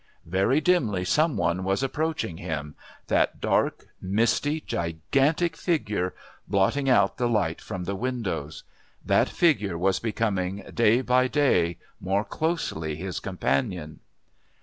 Very dimly some one was approaching him that dark, misty, gigantic figure blotting out the light from the windows. That figure was becoming day by day more closely his companion.